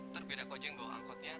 terbeda kau aja yang bawa angkotnya